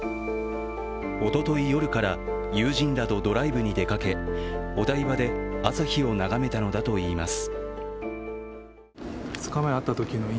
おととい夜から友人らとドライブに出かけお台場で朝日を眺めたのだといいます。